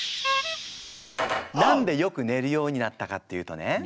何でよく寝るようになったかっていうとね